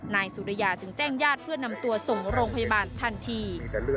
นายสุริยาจึงแจ้งญาติเพื่อนำตัวส่งโรงพยาบาลทันที